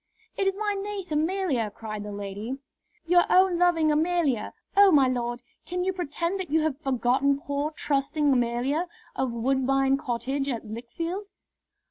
"It is my niece Amelia," cried the lady, "your own loving Amelia! Oh, my lord, can you pretend that you have forgotten poor, trusting Amelia, of Woodbine Cottage at Lichfield."